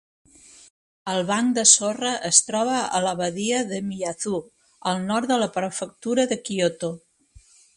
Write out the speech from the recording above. El banc de sorra es troba a la badia de Miyazu, al nord de la prefectura de Kyoto.